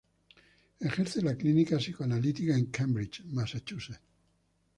Ejerce la clínica psicoanalítica en Cambridge, Massachusetts.